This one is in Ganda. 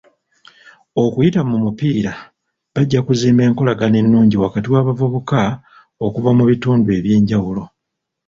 Okuyita mu mupiira, bajja kuzimba enkolagana ennungi wakati w'abavuka okuva mu bitundu eby'enjawulo